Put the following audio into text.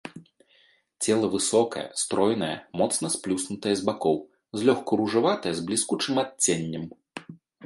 Цела высокае, стройнае, моцна сплюснутае з бакоў, злёгку ружаватае з бліскучым адценнем.